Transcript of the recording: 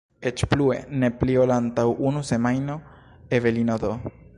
Eĉ plue, ne pli ol antaŭ unu semajno Evelino D.